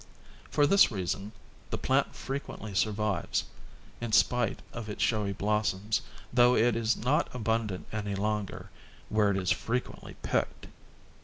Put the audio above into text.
For this reason the plant frequently survives, in spite of its showy blossoms, though it is not abundant any longer, where it is frequently picked.